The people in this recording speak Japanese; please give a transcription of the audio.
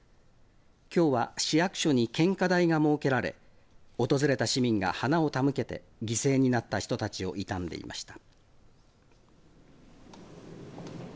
きょうは市役所に献花台が設けられ訪れた市民が花を手向けて犠牲になった人たちを悼んでいました。